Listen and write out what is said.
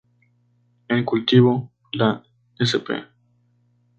En cultivo, la sp.